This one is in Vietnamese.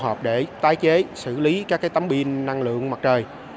tổ hợp để tái chế xử lý các cái tấm pin năng lượng mặt trời